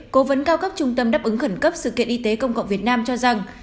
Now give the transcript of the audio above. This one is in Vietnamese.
cố vấn cao cấp trung tâm đáp ứng khẩn cấp sự kiện y tế công cộng việt nam cho rằng